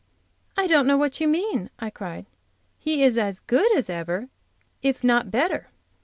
"I don't know what you mean," I cried. "He is as good as ever, if not better.